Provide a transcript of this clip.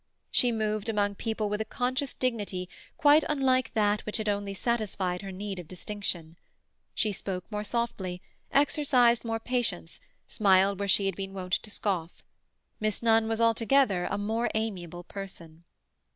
She moved among people with a conscious dignity quite unlike that which had only satisfied her need of distinction. She spoke more softly, exercised more patience, smiled where she had been wont to scoff. Miss Nunn was altogether a more amiable person.